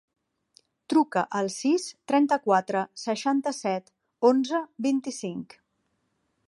Truca al sis, trenta-quatre, seixanta-set, onze, vint-i-cinc.